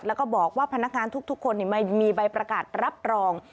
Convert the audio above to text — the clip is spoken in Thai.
แล้วก็บอกว่าพนักงานทุกคนมีใบประกาศรับรอง